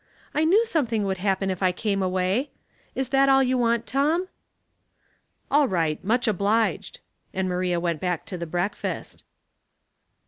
" I knew something would happen if I came away. Is that all you want, Tom ?" 864 Household Puzzles. " All right — much obliged ;" and Maria went back to the breakfast.